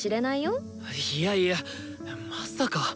いやいやまさか！